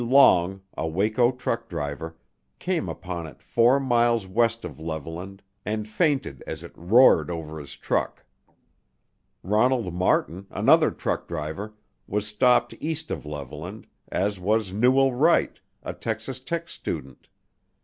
Long, a Waco truck driver, came upon "it" four miles west of Levelland and fainted as it roared over his truck. Ronald Martin, another truck driver, was stopped east of Levelland, as was Newell Wright, a Texas Tech student.